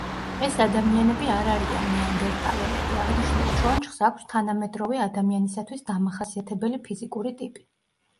ეს ადამიანები არ არიან ნეანდერტალელები, აღნიშნულ ჩონჩხს აქვს თანამედროვე ადამიანისათვის დამახასიათებელი ფიზიკური ტიპი.